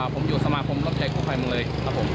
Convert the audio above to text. ผมอยู่สมาคมรับใช้กุภัยมันเลย